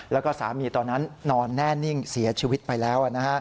แล้วก็สามีตอนนั้นนอนแน่นิ่งเสียชีวิตไปแล้ว